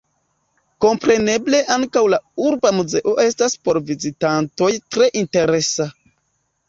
Kompreneble ankaŭ la urba muzeo estas por vizitantoj tre interesa.